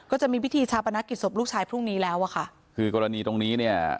จะมีพิธีชาปนกิจศพลูกชายพรุ่งนี้แล้วอ่ะค่ะคือกรณีตรงนี้เนี่ย